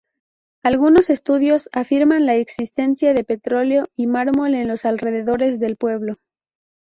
Algunos estudios afirman la existencia de petróleo y mármol en los alrededores del pueblo.